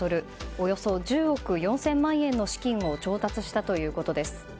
およそ１０億４０００万円の資金を調達したということです。